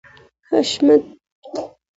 حشمت